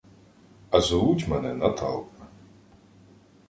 А зовуть мене Наталка.